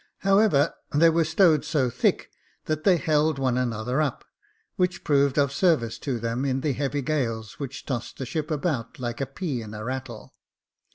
However, they were stowed so thick, that they held one another up, which proved of service to them in the heavy gales which tossed the ship about like a pea in a rattle.